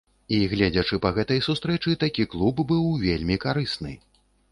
І, гледзячы па гэтай сустрэчы, такі клуб быў бы вельмі карысны.